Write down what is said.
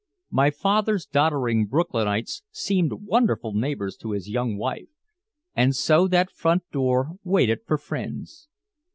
My father's doddering Brooklynites seemed wonderful neighbors to his young wife. And so that front door waited for friends.